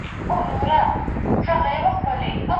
د خلګو زیاتوالی تر عاید ډېر چټک دی.